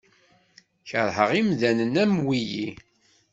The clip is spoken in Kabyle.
Kerheɣ imdanen am wiyi.